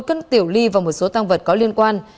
một cân tiểu ly và một số tăng vật có liên quan